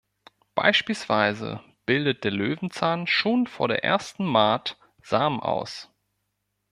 Beispielsweise bildet der Löwenzahn schon vor der ersten Mahd Samen aus.